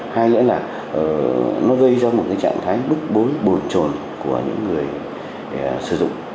hay nữa là nó gây ra một trạng thái bức bối bồn trồn của những người sử dụng